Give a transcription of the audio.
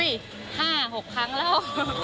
อุ๊ยห้าหกครั้งแล้ว